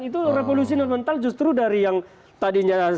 itu revolusi nontal justru dari yang tadinya